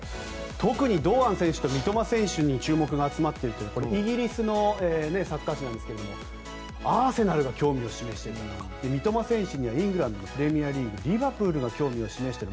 特に堂安選手と三笘選手に注目が集まっているというのはイギリスのサッカー誌なんですがアーセナルが興味を示しているとか三笘選手にはイングランドのプレミアリーグリバプールが興味を示している。